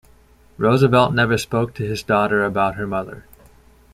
Roosevelt never spoke to his daughter about her mother.